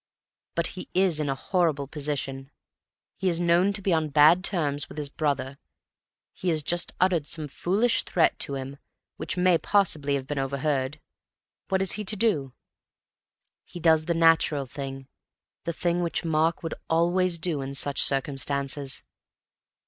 But he is in a horrible position. He is known to be on bad terms with his brother; he has just uttered some foolish threat to him, which may possibly have been overheard. What is he to do? He does the natural thing, the thing which Mark would always do in such circumstances.